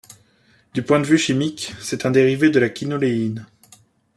Du point de vue chimique, c'est un dérivé de la quinoléine.